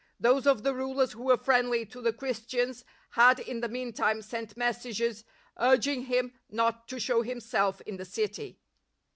Those of the rulers who were friendly to the Christians had in the meantime sent messages urging him not to show himself in the city.